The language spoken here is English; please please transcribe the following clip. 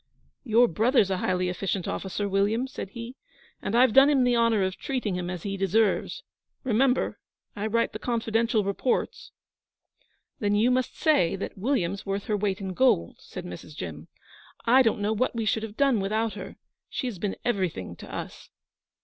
'Your brother's a highly efficient officer, William,' said he, and I've done him the honour of treating him as he deserves. Remember, I write the confidential reports.' 'Then you must say that William's worth her weight in gold,' said Mrs. Jim. 'I don't know what we should have done without her. She has been everything to us.'